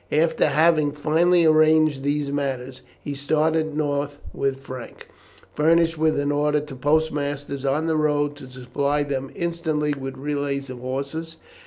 After having finally arranged these matters, he started north with Frank, furnished with an order to postmasters on the road to supply them instantly with relays of horses.